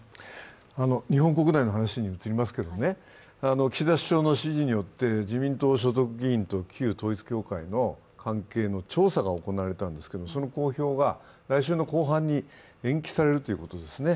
日本国内の話に移りますけれども、岸田首相の指示によって自民党所属議員と旧統一教会の関係の調査が行われたんですが、その公表が来週後半に延期されるそうですね。